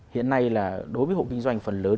hiện nay là đối với hộ kinh doanh phần lớn